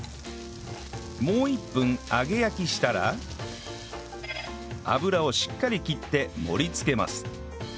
もう１分揚げ焼きしたら油をしっかり切って盛り付けます